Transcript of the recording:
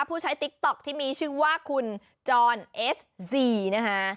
ใช้ติ๊กต๊อกที่มีชื่อว่าคุณจรเอสซีนะคะ